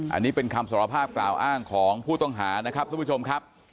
อันนี้เป็นคำสารภาพกล่าวอ้างของผู้ต้องหานะครับทุกผู้ชมครับ